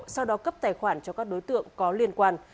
sau đó cấp tài khoản cho các đối tượng có liên quan